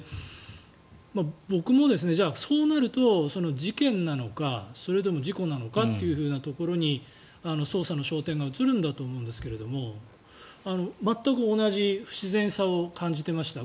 僕もそうなると事件なのかそれとも事故なのかというふうなところに捜査の焦点が移るんだと思うんですが全く同じ不自然さを感じていました。